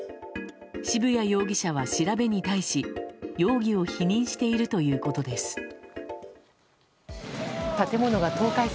渋谷容疑者は調べに対し容疑を否認しているということです。